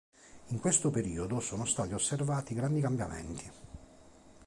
In questo periodo sono stati osservati grandi cambiamenti.